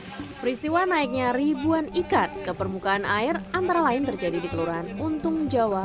hai peristiwa naiknya ribuan ikat ke permukaan air antara lain terjadi di kelurahan untung jawa